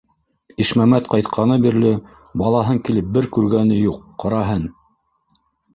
Ишмәмәт ҡайтҡаны бирле балаһын килеп бер күргәне юҡ - ҡараһын!